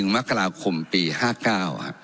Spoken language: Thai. ๑มกราคมปี๕๙ฮะ